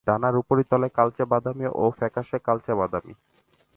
ডানার উপরিতল কালচে বাদামি ও ফ্যাকাশে কালচে বাদামি।